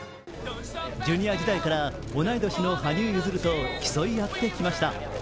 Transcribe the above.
ジュニア時代から同い年の羽生結弦と競い合ってきました。